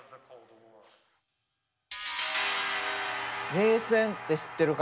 冷戦って知ってるか？